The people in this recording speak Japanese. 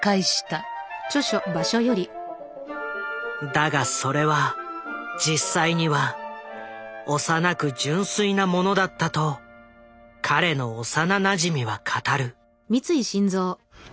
だがそれは実際には幼く純粋なものだったと彼の幼なじみは語る。